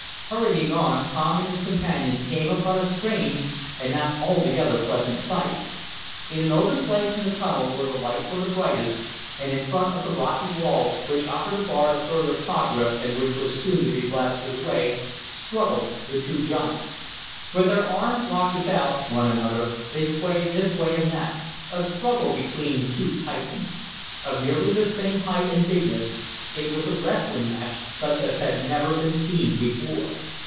Hurrying on, Tom and his companions came upon a strange and not altogether pleasant sight. In an open place in the tunnel, where the lights were brightest, and in front of the rocky wall which offered a bar to further progress and which was soon to be blasted away, struggled the two giants. With their arms locked about one another, they swayed this way and that a struggle between two Titans. Of nearly the same height and bigness, it was a wrestling match such as had never been seen before.